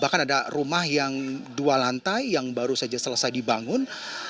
bahkan ada rumah yang dua lantai yang baru saja selesai dibangun